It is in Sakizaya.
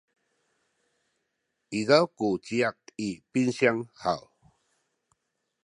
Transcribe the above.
izaw ku ciyak i pinsiyang haw?